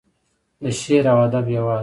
د شعر او ادب هیواد.